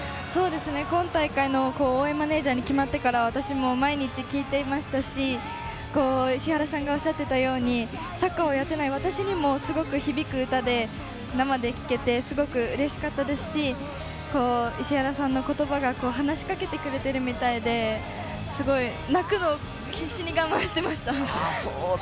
今大会の応援マネージャーに決まってから私も毎日聴いていましたし、石原さんがおっしゃってたように、サッカーをやっていない私にもすごく響く歌で生で聴けてすごくうれしかったですし、石原さんの言葉が話し掛けてくれているようで、泣くのを必死に我慢していました。